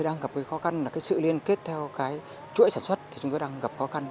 đầu ra khó khăn là cái sự liên kết theo cái chuỗi sản xuất thì chúng tôi đang gặp khó khăn